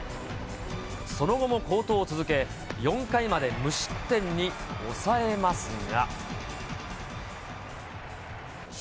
その後も好投を続け、４回まで無失点に抑えますが。